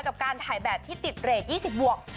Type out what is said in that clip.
กับการถ่ายแบบที่ติดเรท๒๐บวก